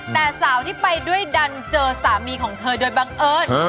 แต่สาวที่ไปด้วยดันเจอสามีของเธอโดยบังเอิญ